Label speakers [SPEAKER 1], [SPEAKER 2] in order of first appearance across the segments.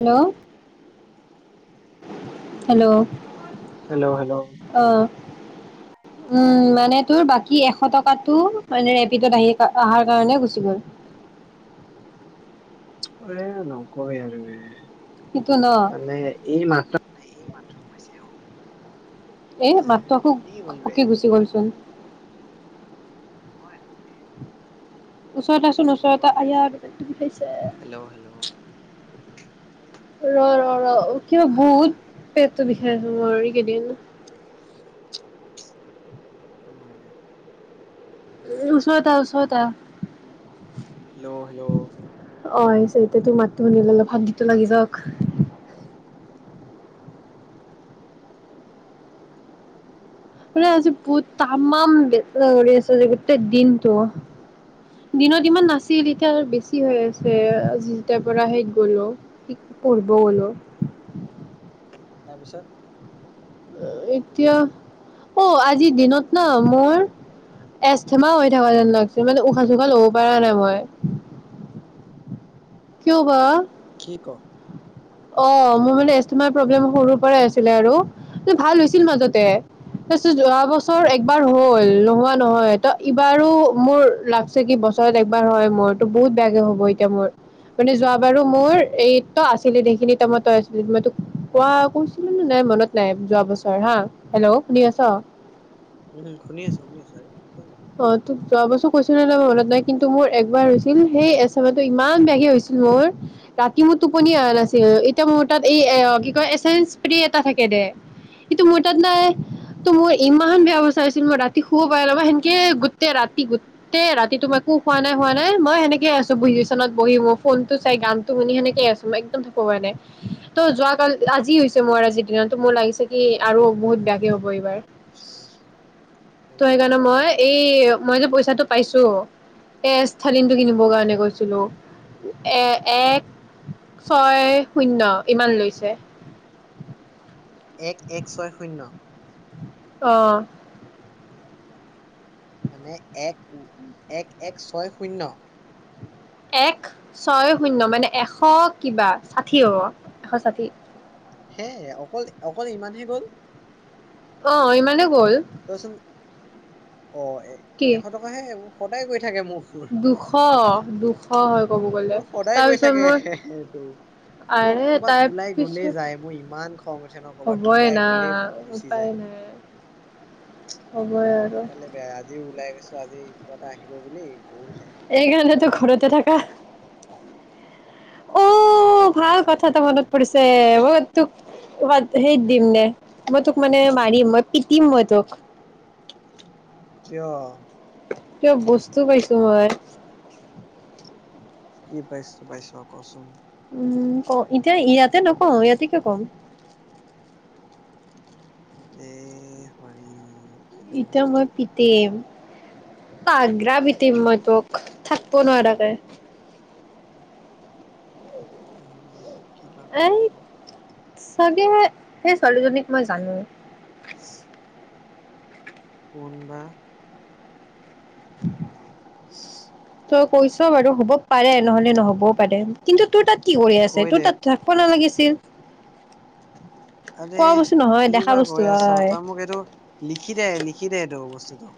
[SPEAKER 1] Hello hello
[SPEAKER 2] hello hello
[SPEAKER 1] অহ উম মানে তোৰ বাকী কি এশ টকাটো মানে ৰেপিডত আহি অহাৰ কাৰণে গুচি গ'ল
[SPEAKER 2] আৰে নকয় আৰু
[SPEAKER 1] সেইটো ন
[SPEAKER 2] মানে এই মাত্ৰা মানে এইমাত্ৰ সোমাইছে অ
[SPEAKER 1] এ
[SPEAKER 2] যে
[SPEAKER 1] মাতটাখোক
[SPEAKER 2] এনেই গ'ল বে
[SPEAKER 1] ঘপককে গুচি গ'লচোৱা
[SPEAKER 2] নহয় মানে
[SPEAKER 1] ওচৰত আচোন
[SPEAKER 2] সেইটো কোৱা
[SPEAKER 1] ওচৰত আহ
[SPEAKER 2] নাই
[SPEAKER 1] আইয়া পেতটো বিষাইছে
[SPEAKER 2] হেল্ল' হেল্ল'
[SPEAKER 1] ৰ ৰ ৰ কিবা
[SPEAKER 2] আহ,
[SPEAKER 1] বহুত
[SPEAKER 2] অ
[SPEAKER 1] পেটটো বিষাই মোৰ এই কেইদিন।
[SPEAKER 2] একো নহয় দে
[SPEAKER 1] ওচৰত আহ ওচৰত আহ
[SPEAKER 2] হেল্ল' হেল্ল'
[SPEAKER 1] অ আহিছে এতিয়া তোৰ মাতটো শুনিলে অলপ শান্তিটো লাগি যাওক। মানে আজি বহুত তামাম বিষাই আছে আজি গোটেই দিনটো। দিনত ইমান নাছিল এতিয়া আৰু বেছি হৈ আছে আজি যেতিয়াৰ পৰা সেই গলো পঢ়িব গলো
[SPEAKER 2] তাৰপিছত?
[SPEAKER 1] এতিয়া অ আজিৰ দিনত ন মোৰ এজধমা হৈ থকা যেন লাগিছে মানে উশাহ চোশাল ল'ব পৰা নাই মই। কিয় বা?
[SPEAKER 2] কি ক?
[SPEAKER 1] অ মোৰ মানে এষ্টমা প্ৰব্লেম সৰুৰ পৰাই আছিলে আৰু ভাল হৈছিল মাজতে তাৰপিছত যোৱা বছৰ একবাৰ হ'ল নোহোৱা নহয় ত ইবাৰো মোৰ লাগছে কি বছৰত একবাৰ হয় মোৰ তো বহুত বেয়াকে হ'ব এতিয়া মোৰ মানে যোৱাবাৰো মোৰ এই তই আছিলি সেইখিনি তাইমত তই আছিলি মই তোক কোৱা কৈছিলো, নে নাই মনত নাই যোৱা বছৰ হা হেল্ল' শুনি আছ?
[SPEAKER 2] উম শুনি আছো শুনি আছো আৰু জানো
[SPEAKER 1] অ তোক যোৱা বছৰ কৈছো মনত নাই কিন্তু মোৰ একবাৰ হৈছিল সেই এষ্টমাটো ইমান বেয়াকে হৈছিল, মোৰ ৰাতি মোৰ টোপনি অহা নাছিল এতিয়া মোৰ তাত এই এ কি কয় এচ এন স্প্ৰি এটা থাকে দে এইটো মোৰ তাত নাই ত মোৰ ইমান বেয়া অৱস্থা হৈছিল মই ৰাতি শুব পৰা নাই মই সেনকে গোটে ৰাতি গোটেই ৰাতি তোমাৰ একো খোৱা নাই হোৱা নাই মই সেনেকে আছো পজিচনত বহি মোৰ ফোনটো চাই গানটো শুনি সেনেকে আছো একদম থাকিব পৰা নাই, ত যোৱা কালি আজি হৈছে মোৰ আজিৰ দিনতো মোৰ লাগিছে কি আৰু বহুত বেয়াকে হব
[SPEAKER 2] অ
[SPEAKER 1] এইবাৰ
[SPEAKER 2] কৃষ্ণ কৃষ্ণ হয়
[SPEAKER 1] ত
[SPEAKER 2] নেকি
[SPEAKER 1] সেইকাৰণে মই এই মই যে তাতো পাইছো, এ এচ ষ্টালিনটো কিনিবৰ কাৰণে গৈছিলোঁ এক ছয় শূন্য ইমান লৈছে।
[SPEAKER 2] এক এক ছয় শূন্য।
[SPEAKER 1] অহ
[SPEAKER 2] মানে এক এক এক ছয় শূন্য?
[SPEAKER 1] এক ছয় শূন্য মানে এশ কিবা ষাঠি হ'ব এশ ষাঠি।
[SPEAKER 2] হে অকল অকল ইমানহে গ'ল।
[SPEAKER 1] অ ইমানে গ'ল।
[SPEAKER 2] তইচোন অ এ
[SPEAKER 1] কি
[SPEAKER 2] এশ টকা হে সেইবোৰ কটাই কৈছে থাকে মোক মোৰ।
[SPEAKER 1] দুশ দুশ হয় ক'ব গ'লে
[SPEAKER 2] সদায় গৈ
[SPEAKER 1] তাৰপিছত
[SPEAKER 2] থাকে
[SPEAKER 1] মোৰ
[SPEAKER 2] এইটো মই
[SPEAKER 1] আৰে
[SPEAKER 2] ক'বাত
[SPEAKER 1] তাৰ
[SPEAKER 2] ওলাই গলে
[SPEAKER 1] পিছত
[SPEAKER 2] যায় মোৰ ইমান খং উঠে ন ক'ৰবাত
[SPEAKER 1] হ'বই
[SPEAKER 2] ওলাই
[SPEAKER 1] না
[SPEAKER 2] গলে গুচি
[SPEAKER 1] উপায়
[SPEAKER 2] যায়।
[SPEAKER 1] নাই হ'বই আৰু
[SPEAKER 2] দিনকালে বেয়া আজিও ওলাই গৈছে আজি কিবা এটা আহিব বুলি গ'লহে
[SPEAKER 1] এইখণতে তো ঘৰতে থাকা অ
[SPEAKER 2] সেইকাৰণে
[SPEAKER 1] ভাল
[SPEAKER 2] ঘৰত
[SPEAKER 1] কথাটো
[SPEAKER 2] থাকি
[SPEAKER 1] মনত পৰিছে, বহুত তোক হেইত দিম নে মই তোক মানে মাৰিম মই পিটম মই তোক।
[SPEAKER 2] কিয়
[SPEAKER 1] কিবা বস্তু পাইছো মই।
[SPEAKER 2] কি পাইছ পাইছ কচোন?
[SPEAKER 1] উম ক এতিয়া ইয়াতে নকওঁ ইয়াতে কিয় কম?
[SPEAKER 2] এ হৰি। কি
[SPEAKER 1] ইতিয়া
[SPEAKER 2] অৱস্থা
[SPEAKER 1] মই
[SPEAKER 2] পালি তই?
[SPEAKER 1] পিতিম আগ্ৰা পিটিম মই তোক থাকব নোৱাৰাকে
[SPEAKER 2] হৰি হৰি কিবা
[SPEAKER 1] এই
[SPEAKER 2] কৰিলো মই
[SPEAKER 1] চাগে সেই ছোৱালীজনীক মই জানো
[SPEAKER 2] কোনবা
[SPEAKER 1] তই কৈছ বাৰু হ'ব পাৰে নহলে নহ'বও পাৰে কিন্তু তোৰ তাত কি কৰি আছে
[SPEAKER 2] কৈ
[SPEAKER 1] তোৰ
[SPEAKER 2] দে
[SPEAKER 1] তাত থাকিব নালাগিছে তিন
[SPEAKER 2] আৰে কি বা কৈ আছ
[SPEAKER 1] হয়
[SPEAKER 2] তই মোক এইটো লিখি দে লিখি দে এটো বস্তু দ্ধ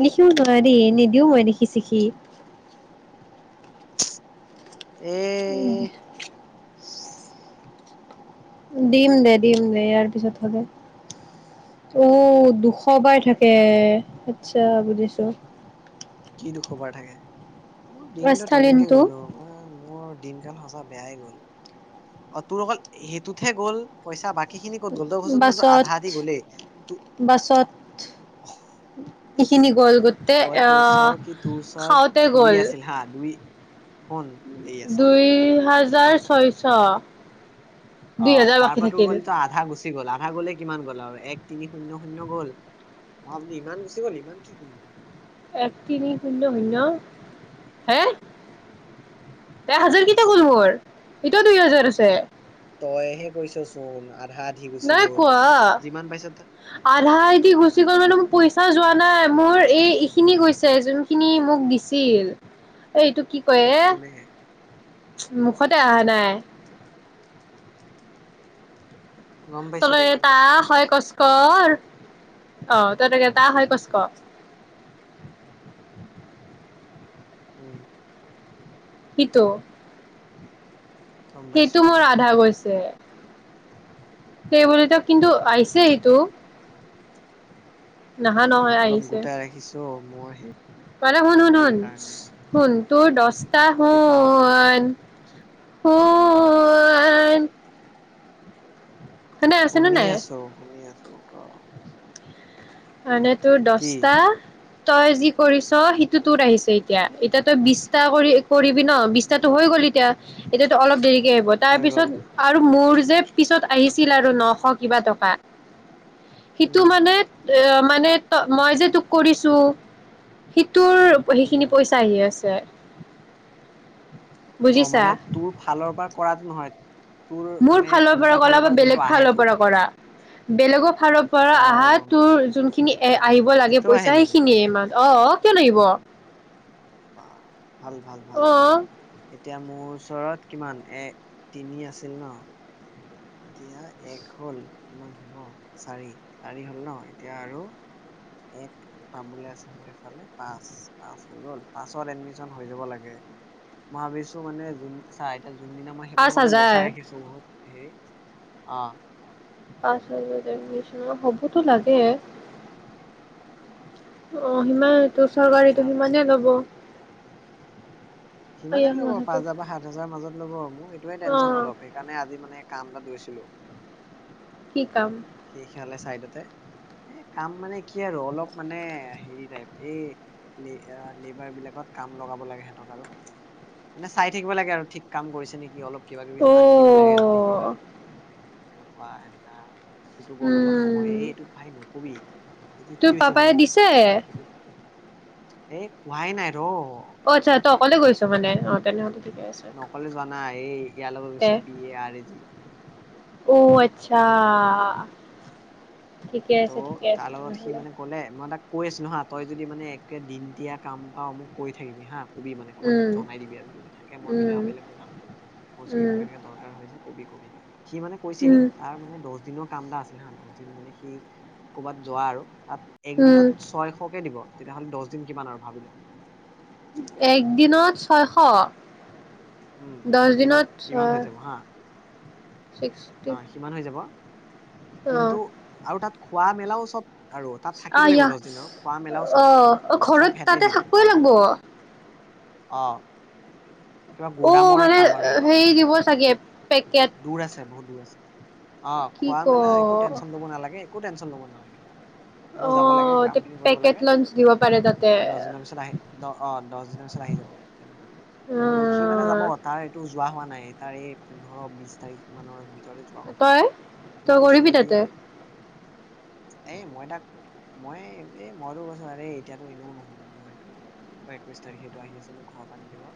[SPEAKER 1] নিখিও নহয় দেই নিদিও মই লিখি ছিখি
[SPEAKER 2] এহহ
[SPEAKER 1] দিম দে দিম দে ইয়াৰ পিছত হব অ দুশ বাৰ থাকে আচ্ছা বুজিছো
[SPEAKER 2] কি দুখবাৰ থাকে মোৰ দিনটো তেনেকে
[SPEAKER 1] স্থলীনটো
[SPEAKER 2] গল অ মই মোৰ দিনকাল সঁচা বেয়াই গ'ল অ তোৰ অকল সেইটোতহে গ'ল পইচা বাকী সেইখিনি ক'ত গ'ল ত ক চোন তটো আধা
[SPEAKER 1] বাছত
[SPEAKER 2] আধি গলেই ত
[SPEAKER 1] সেইখিনি
[SPEAKER 2] তই কৈছ কি তোৰ ওচৰত
[SPEAKER 1] খাওঁতে
[SPEAKER 2] দুই
[SPEAKER 1] গ'ল
[SPEAKER 2] আছিল হা দুই শুন এইয়া চা
[SPEAKER 1] দুই হাজাৰ ছয়শ
[SPEAKER 2] অ
[SPEAKER 1] দুই হাজাৰ
[SPEAKER 2] তাৰ
[SPEAKER 1] বাকী
[SPEAKER 2] পৰা তোৰ
[SPEAKER 1] থাকিল
[SPEAKER 2] গল তো আধা গুচি গ'ল আধা গ'লে কিমান গ'ল আৰু এক তিনি শূন্য শূন্য গ'ল অ বোলো ইমান গুচি গ'ল ইমান কি কিনিলি
[SPEAKER 1] এক তিনি শূন্য শূন্য হে এক হাজাৰ কেতিয়া গ'ল অৰ এতিয়াও দুই হাজাৰ আছে
[SPEAKER 2] তইহে কৈছ চোন আধা আধি গুচি
[SPEAKER 1] নাই
[SPEAKER 2] গ'ল
[SPEAKER 1] কোৱা
[SPEAKER 2] যিমান পাইছ তা-
[SPEAKER 1] আধা আধি গুচি
[SPEAKER 2] নাই
[SPEAKER 1] গ'ল
[SPEAKER 2] কোৱা ন
[SPEAKER 1] মানে মোৰ পইচা যোৱা নাই মোৰ এই এইখিনি গৈছে যোনখিনি মোক দিছিল এইটো কি কৈয়ে
[SPEAKER 2] কোনেহে
[SPEAKER 1] মুখতে আহা নাই
[SPEAKER 2] গম পাইছো
[SPEAKER 1] তল
[SPEAKER 2] দে গম
[SPEAKER 1] এটা
[SPEAKER 2] পাইছো গম
[SPEAKER 1] হয়
[SPEAKER 2] পাইছো
[SPEAKER 1] কচকৰ আহ ততেনেকে তা হয় কচ ক
[SPEAKER 2] উম
[SPEAKER 1] কিটো
[SPEAKER 2] গম
[SPEAKER 1] সেইটো
[SPEAKER 2] পাইছো
[SPEAKER 1] মোৰ আধা গৈছে যে সেই বুলি তেওঁ কিন্তু আহিছে সেইটো নহা নহয়
[SPEAKER 2] অলপ
[SPEAKER 1] আহিছে
[SPEAKER 2] গোটাই ৰাখিছো মোৰ
[SPEAKER 1] মানে শুন শুন
[SPEAKER 2] হেৰিৰ
[SPEAKER 1] শুন
[SPEAKER 2] কাৰণে
[SPEAKER 1] শুন তোৰ দছটা
[SPEAKER 2] কি কয় পাওঁ
[SPEAKER 1] শুন শুন শুনে আছেনে
[SPEAKER 2] শুনি
[SPEAKER 1] নাই
[SPEAKER 2] আছো। অ
[SPEAKER 1] মানে তোৰ দহটা তই যি কৰিছ সিটো তোৰ আহিছে এতিয়া এতিয়া তই বিছটা কৰি কৰিবি ন
[SPEAKER 2] উম
[SPEAKER 1] বিছাতো হৈ গ'ল এতিয়া, এতিতো অলপ দেৰি কে আহিব তাৰ
[SPEAKER 2] হৈ
[SPEAKER 1] পিছত
[SPEAKER 2] গ'ল
[SPEAKER 1] আৰু মোৰ যে পিছত আহিছিল আৰু নশ কিবা টকা। সেইটো
[SPEAKER 2] উম
[SPEAKER 1] মানে এ মানে ত মই যে তোক কৰিছো হি তোৰ
[SPEAKER 2] উম
[SPEAKER 1] সেইখিনি পইচা আহি আছে [unintelligible]
[SPEAKER 2] অ
[SPEAKER 1] বুজিছা
[SPEAKER 2] মানে তোৰ ফালৰ পৰা কৰাত নহয় তোৰ
[SPEAKER 1] মোৰ
[SPEAKER 2] মানে
[SPEAKER 1] ফালৰ
[SPEAKER 2] উল্টা
[SPEAKER 1] পৰা
[SPEAKER 2] ফালৰ
[SPEAKER 1] কৰা বা
[SPEAKER 2] যোনটো
[SPEAKER 1] বেলেগ
[SPEAKER 2] আহে
[SPEAKER 1] ফালৰ
[SPEAKER 2] তোৰ
[SPEAKER 1] পৰা
[SPEAKER 2] তাত
[SPEAKER 1] কৰা বেলেগক ফালৰ পৰা
[SPEAKER 2] অ
[SPEAKER 1] আহা
[SPEAKER 2] গম
[SPEAKER 1] তোৰ
[SPEAKER 2] পাইছো
[SPEAKER 1] যোনখিনি এ আহিব লাগে
[SPEAKER 2] সেইটো আহে
[SPEAKER 1] পইচা
[SPEAKER 2] নেকি
[SPEAKER 1] সেইখিনিয়ে ইমান অ কিয় নাহিব
[SPEAKER 2] বা ভাল ভাল ভাল, তে এতিয়া মোৰ ওচৰত কিমান এ তিনি আছিল ন, এতিয়া এক হ'ল কিমান হ'ব চাৰি চাৰি হ'ল ন, এতিয়া আৰু এক পাবলৈ আছে, মোৰ ইফালে পাঁচ পাঁচ হৈ গ'ল পাছত এডমিশন হৈ যাব লাগে মই ভাবিছো মানে য চাৰ যোনদিনা মই মই
[SPEAKER 1] পাঁচ
[SPEAKER 2] মানে
[SPEAKER 1] হাজাৰ
[SPEAKER 2] বচাই ৰাখিচু বহুত হৰি অ
[SPEAKER 1] পাঁচজাৰছ ন, হ'বতো লাগে অ সিমানটো
[SPEAKER 2] হলেতো
[SPEAKER 1] চৰকাৰীটো
[SPEAKER 2] ভাল
[SPEAKER 1] সিমানে লব আয়া
[SPEAKER 2] সিমানেই ল'ব পাঁচ
[SPEAKER 1] মাথাটো
[SPEAKER 2] হাজাৰ বা সাত হাজাৰ মাজত লব। সেইয়ে
[SPEAKER 1] অ
[SPEAKER 2] টেনচন অলপ সেইকাৰণে আজি মানে কামটাত গৈছিলো।
[SPEAKER 1] কি কাম?
[SPEAKER 2] সেইে হলে চাইডতে এ, কাম মানে কি আৰু অলপ মানে হেৰি টাইপ, এই লেবাৰ বিলাকত কাম লগাব লাগে সিহঁতক আৰু, মানে চাই থাকিব লাগে আৰু ঠিক কাম কৰিছে নেকি অলপ কিবা কিবি
[SPEAKER 1] অ
[SPEAKER 2] আনি দিব লাগে যদি কিবা এলুৱোৱা এনেকা। টাতো গ'ল অলপ সময়,
[SPEAKER 1] উম
[SPEAKER 2] এই এইটো ভাই নকবি এইটোত কি
[SPEAKER 1] তোৰ পাপাই দিছে?
[SPEAKER 2] এ কোৱাই নাই ৰ
[SPEAKER 1] অ আচ্ছা, তই অকলে গৈছ মানে অ? তেনে [unintelligible]
[SPEAKER 2] অকলে জোৱা নায়, এই ইয়া লগত
[SPEAKER 1] দে
[SPEAKER 2] গৈছো পি এ আৰ এ যি।
[SPEAKER 1] অ আচ্ছা। ঠিকে
[SPEAKER 2] ত'
[SPEAKER 1] আছে ঠিকে আছে
[SPEAKER 2] তাৰ লগত সি
[SPEAKER 1] তেনেহ'লে
[SPEAKER 2] মানে কলে, মই তাক কৈ আছিলো হা তই যদি মানে কৈ দিন দিয়া কাম বা মোক কৰি থাকিবি হাঁ [unintelligible] কবি মানে, ক'ৰবাত
[SPEAKER 1] উম
[SPEAKER 2] জনাই দিবি আৰু যদি থাকে, মই
[SPEAKER 1] উম
[SPEAKER 2] মিলাব পাইলে মই যাম, ম ছাগে
[SPEAKER 1] উম
[SPEAKER 2] মোক এনেকে দৰকাৰ হৈছে কবি কবি সি মানে কৈছিল
[SPEAKER 1] উম
[SPEAKER 2] তাৰ মানে দহ দিনৰ কাম দা আছিলে হা, দহ দিন মানে সি কৰ'বাত যোৱা আৰু তাত
[SPEAKER 1] উম
[SPEAKER 2] একদিনত ছয়কে দিব তেতিয়াহ'লে দহ দিন কিমান আৰু ভাবি ল
[SPEAKER 1] এক দিনত ছয়শ?
[SPEAKER 2] উম দহ দিনত ইমান হৈ যাব হা
[SPEAKER 1] ছিক্সটি
[SPEAKER 2] অ সিমান হৈ যাব
[SPEAKER 1] অ
[SPEAKER 2] কিন্তু আৰু তাত খোৱা মেলাও চব আৰু তাত থাকিব লাগিব
[SPEAKER 1] আয়া
[SPEAKER 2] দহ দিন আৰু খোৱা মেলাও চব
[SPEAKER 1] অ ঘৰত তাতে থাকিবই লাগিব
[SPEAKER 2] অঁ
[SPEAKER 1] অ মানে হেৰি দিব চাগে পেকেট
[SPEAKER 2] দূৰ আছে বহুত দূৰ আছে অ
[SPEAKER 1] কি
[SPEAKER 2] খোৱা
[SPEAKER 1] ক
[SPEAKER 2] মেলা একো টেনশ্যন লব নালাগে একো টেনচন লব নেলাগে তাত তাৰপৰা যাব লাগে
[SPEAKER 1] অ',
[SPEAKER 2] কাম
[SPEAKER 1] তে
[SPEAKER 2] খিনি কৰিব
[SPEAKER 1] পেকেট
[SPEAKER 2] লাগে
[SPEAKER 1] লাঞ্চ দিব পাৰে তাতে।
[SPEAKER 2] আৰু দহ দিনৰ পিছত আহি দ অ দহ দিনৰ পিছত আহি যাব লাগে তেনেকুৱা কিন্তু সি মানে যাব
[SPEAKER 1] উম,
[SPEAKER 2] তাৰ এইটো যোৱা হোৱা নাই তাৰে পুনৰ পৰৰ বিশ তাৰিখ মানৰ যোৱা কথা
[SPEAKER 1] তই তই
[SPEAKER 2] মই কৈছো
[SPEAKER 1] কৰিবি
[SPEAKER 2] যদি
[SPEAKER 1] তাতে
[SPEAKER 2] এ মই তাক মই এ মইতো কৈছো আৰে এতিয়ো এনেও নহব মোৰ এইটো একৈশ তাৰিখে এইটো আহি আছে মোক ঘৰ‌ পৰা নিদিব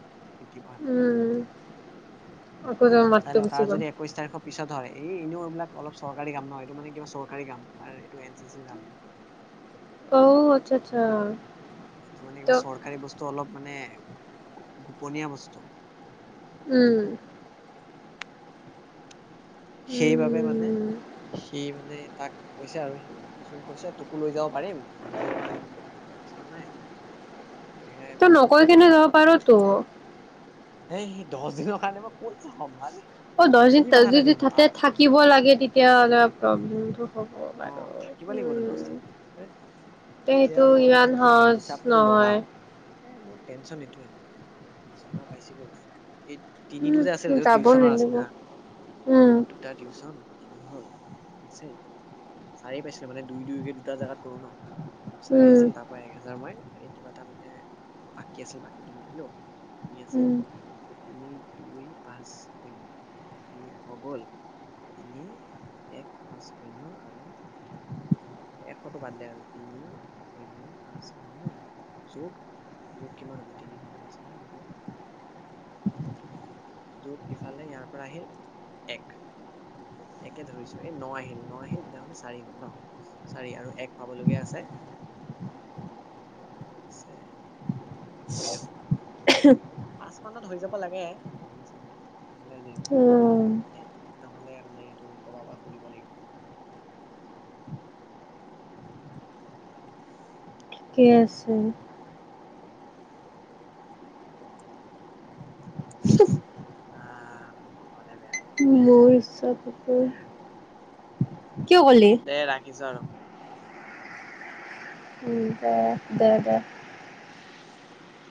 [SPEAKER 1] উম।
[SPEAKER 2] সবিলাক [unintelligible]
[SPEAKER 1] আকৌ তোৰ
[SPEAKER 2] চাই
[SPEAKER 1] মাতটো
[SPEAKER 2] লওঁ
[SPEAKER 1] গুচি
[SPEAKER 2] তাৰ
[SPEAKER 1] গ'ল।
[SPEAKER 2] যদি একৈশ তাৰিখৰ পিছত হয় এই এনেও এইবিলাক অলপ চৰকাৰী কাম ন এইটো মানে কিবা চৰকাৰী কাম আৰু এইটো এন চি চিৰ কাম
[SPEAKER 1] অ আচ্ছা আচ্ছা
[SPEAKER 2] এইটো মানে
[SPEAKER 1] ত
[SPEAKER 2] কিবা চৰকাৰী বস্তু অলপ। মানে গোপনীয় বস্তু।
[SPEAKER 1] উম।
[SPEAKER 2] সেইবাবে মানে
[SPEAKER 1] উম।
[SPEAKER 2] সি মানে তাক কৈছে আৰু স সি কৈছে তোকো লৈ যাব পাৰিম টেনচন নাই। সেয়াই মই
[SPEAKER 1] তই
[SPEAKER 2] বোলো
[SPEAKER 1] নকৈ
[SPEAKER 2] মানে
[SPEAKER 1] কেনে যাব পাৰ তো
[SPEAKER 2] এই স দহ দিনৰ কাৰণে মই কত যাম ভাল?
[SPEAKER 1] অ দহ দিন য তাতে থাকিব লাগে তেতিয়া অলপ প্ৰবলেম
[SPEAKER 2] অ থাকিব লাগিবতো দহ দিন মোৰ
[SPEAKER 1] তে
[SPEAKER 2] হেত এতিয়া
[SPEAKER 1] সেইটো
[SPEAKER 2] মই
[SPEAKER 1] ইমান সহজ
[SPEAKER 2] হিচাপটো
[SPEAKER 1] নহয়
[SPEAKER 2] লগাও এ মোৰ টেনচন এইটোৱেই ম পাইছিলো এই তিনিটো যে আছিল
[SPEAKER 1] উম
[SPEAKER 2] এইটো
[SPEAKER 1] যাব
[SPEAKER 2] টিউচনৰ আছিল
[SPEAKER 1] নিদিব
[SPEAKER 2] হা
[SPEAKER 1] উম
[SPEAKER 2] দুটা টিউচন তিনি হল। উম চেই। চাৰি পাইছিলো মানে দুই দুইকে দুটা জোগাত কৰো ন। চাৰি
[SPEAKER 1] উম
[SPEAKER 2] আছিল তাৰ পৰা এক হেজাৰ ম‌ই এই কিবা এটা মানে বাকী আছিল বাকীটো মাৰিলো তিনি আছিল
[SPEAKER 1] উম
[SPEAKER 2] তিনি দুই পাঁচ শূন্য আজি এশ গ'ল তিনি এক পাঁচ শূন্য আৰু এশতটো বাদ দে আৰু তিনি শূন্য পাঁচ শূন্য যোগ যোগ কিমান হ'ব তিনি শূন্য পাঁচ শূন্য হ'ব যোগ ইফালে ইয়াৰ পৰা আহিল এক একে ধৰিছো, এই ন আহিল ন আহিল তেতিয়াহলে চাৰি হ'ল ন চাৰি আৰু এক পাবলগীয়া আছে এক আ হৈ যাব। পাঁচ মানত হৈ যাব লাগে নহলে জিনচৰ পৰা
[SPEAKER 1] উম
[SPEAKER 2] এ নহলে মানে এইটো কৰবাৰ পৰা সুধিব লাগিব আৰু
[SPEAKER 1] ঠিকে আছে।
[SPEAKER 2] অ মোৰ কপালে বেয়া হে
[SPEAKER 1] মোৰ ইচ্ছা, কিয় কলি?
[SPEAKER 2] দে ৰাখিছো আৰু
[SPEAKER 1] দে দে দে